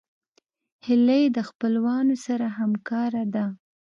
هیلۍ د خپلوانو سره همکاره ده